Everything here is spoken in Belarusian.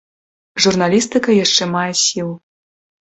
Журналістыка яшчэ мае сілу.